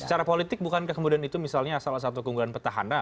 secara politik bukankah kemudian itu misalnya salah satu keunggulan petahana